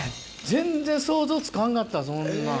全然想像つかんかったそんなん。